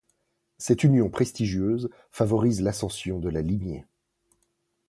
Cette union prestigieuse favorise l’ascension de la lignée.